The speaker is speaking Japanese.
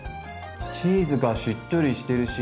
チーズがしっとりしてるし。